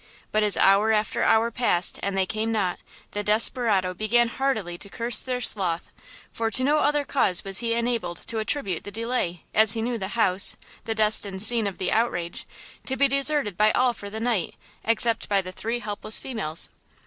But as hour after hour passed and they came not, the desperado began heartily to curse their sloth–for to no other cause was he enabled to attribute the delay, as he knew the house, the destined scene of the outrage, to be deserted by all for the night, except by the three helpless females.